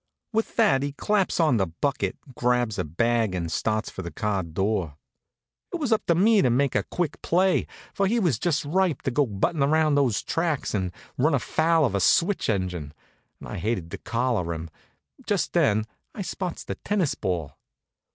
With that he claps on the bucket, grabs a bag and starts for the car door. It was up to me to make a quick play; for he was just ripe to go buttin' around those tracks and run afoul of a switch engine. And I hated to collar him. Just then I spots the tennis ball.